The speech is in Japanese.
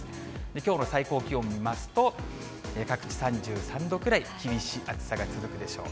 きょうの最高気温見ますと、各地３３度くらい、厳しい暑さが続くでしょう。